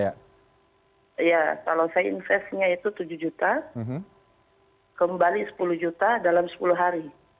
ya kalau saya investasinya itu rp tujuh kembali rp sepuluh dalam sepuluh hari